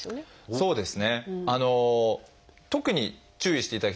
そうです。